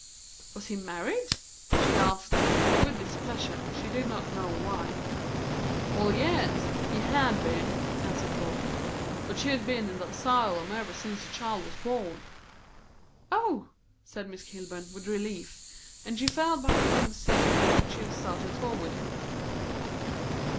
"Was he married?" she asked, with displeasure, she did not know why. "Well, yes, he had been," answered Bolton. "But she'd be'n in the asylum ever since the child was born." "Oh," said Miss Kilburn, with relief; and she fell back upon the seat from which she had started forward.